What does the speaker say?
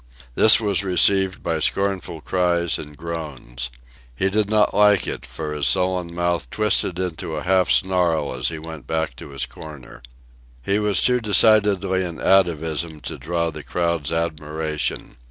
This was received by scornful cries and groans. He did not like it, for his sullen mouth twisted into a half snarl as he went back to his corner. He was too decided an atavism to draw the crowd's admiration.